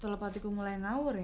telepati kumulai ngawur ya